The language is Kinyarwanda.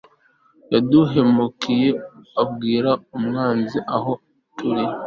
yaduhemukiye abwira umwanzi aho turi